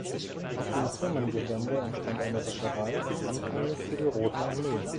Auf dem Firmengelände entstand eine Wäscherei, anfänglich für die Rote Armee.